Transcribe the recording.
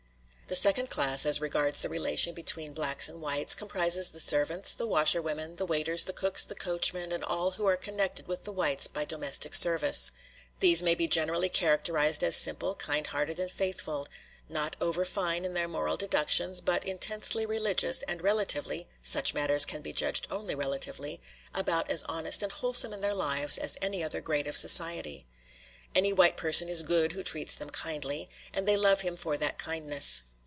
The second class, as regards the relation between blacks and whites, comprises the servants, the washerwomen, the waiters, the cooks, the coachmen, and all who are connected with the whites by domestic service. These may be generally characterized as simple, kind hearted, and faithful; not over fine in their moral deductions, but intensely religious, and relatively such matters can be judged only relatively about as honest and wholesome in their lives as any other grade of society. Any white person is "good" who treats them kindly, and they love him for that kindness.